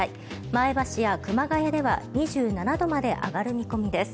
前橋や熊谷では２７度まで上がる見込みです。